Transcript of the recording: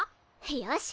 よし！